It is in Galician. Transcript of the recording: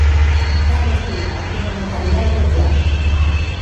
'Carlos Pita, monumentalidade cotiá'.